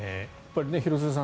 廣津留さん